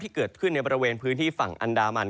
เกิดขึ้นในบริเวณพื้นที่ฝั่งอันดามัน